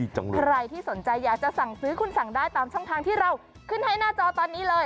ใครที่สนใจอยากจะสั่งซื้อคุณสั่งได้ตามช่องทางที่เราขึ้นให้หน้าจอตอนนี้เลย